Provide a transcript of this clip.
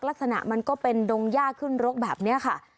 ลักษณะมันก็เป็นดงย่าขึ้นรกแบบนี้ค่ะ